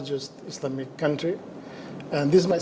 dan ini adalah pengalaman kedua saya